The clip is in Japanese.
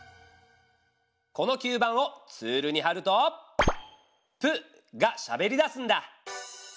この吸盤をツールにはると「プ」がしゃべりだすんだ。